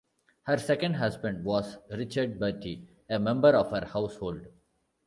Her second husband was Richard Bertie, a member of her household.